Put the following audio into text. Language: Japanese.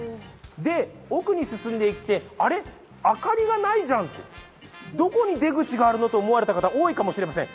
奥に進んでいって、あれっ明かりがないじゃん、どこに出口があるの？と思われた方多いかもしれません。